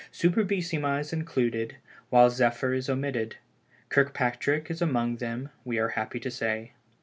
Superbissima is included, while Zephyr is omitted. Kirkpatrick is among them, we are happy to say.